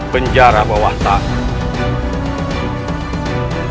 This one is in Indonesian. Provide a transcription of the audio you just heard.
penjara bawah tanah